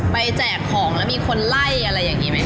แจกของแล้วมีคนไล่อะไรอย่างนี้ไหม